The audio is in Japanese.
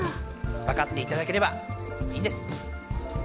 わかっていただければいいんです。